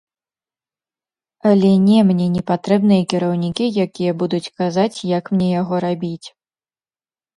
Але, не, мне не патрэбныя кіраўнікі, якія будуць казаць, як мне яго рабіць.